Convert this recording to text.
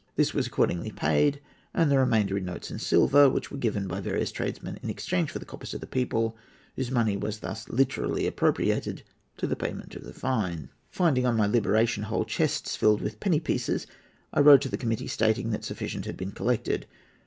This was accordingly paid, and the remainder in notes and silver, which were given by various tradesmen in exchange for the coppers of the people, whose money was thus literally appropriated to the payment of the fine. "Finding, on my liberation, whole chests filled with penny pieces, I wrote to the committee, stating that sufficient had been collected.